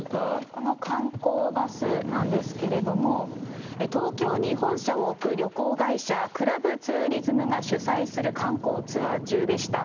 この観光バスなんですけれども、東京に本社を置く旅行会社、クラブツーリズムが主催する観光ツアー中でした。